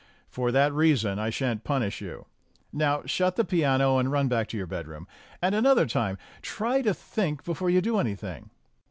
For that reason I shan't punish you. Now shut the piano, and run back to your bedroom. And another time try to think before you do anything."